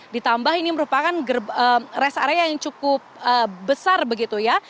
ditambah ini merupakan rest area yang cukup besar begitu ya